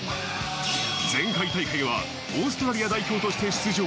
前回大会はオーストラリア代表として出場。